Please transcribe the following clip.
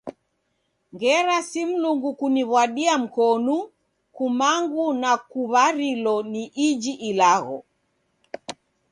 Ngera si Mlungu kuniw'wadia mkonu, kumangu nikuw'arilo ni iji ilagho.